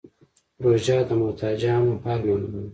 روژه د محتاجانو حال معلوموي.